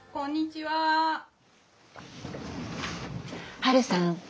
ハルさん